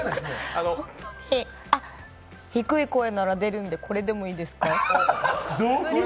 本当にあっ、低い声なら出るんでこれでもいいですか？